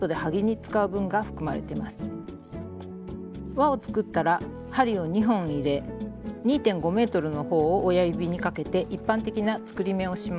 輪を作ったら針を２本入れ２．５ｍのほうを親指にかけて一般的な作り目をします。